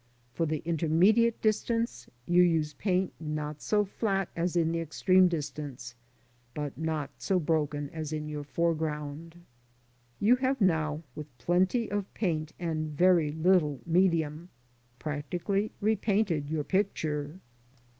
For the intermediate distance you use paint not so flat as in the extreme distance, but not so broken as in your foreground. You have now, with plenty of paint and very little medium, practically repainted your picture.